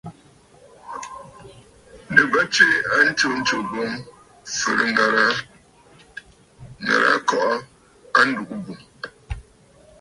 Nɨ bə tswe a ntsǔǹtsù boŋ fɨ̀rɨ̂ŋə̀rə̀ àa kɔʼɔ a ndùgə bù.